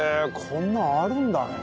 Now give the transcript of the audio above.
こんなのあるんだね。